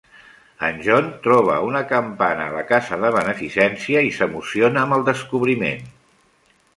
En Jon troba una campana a la casa de beneficència i s'emociona amb el descobriment.